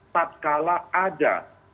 tak kalah ada